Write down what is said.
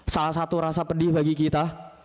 salah satu rasa pedih bagi kita